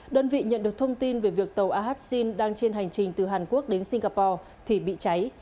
đơn vị nhận được thông tin về việc tàu ahxin đang trên hành trình từ hàn quốc đến singapore thì bị cháy